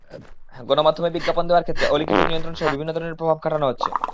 গণমাধ্যমে বিজ্ঞাপন দেওয়ার ক্ষেত্রে অলিখিত নিয়ন্ত্রণসহ বিভিন্ন ধরনের প্রভাব খাটানো হচ্ছে।